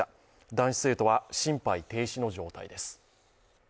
男子生徒は心肺停止の状態です。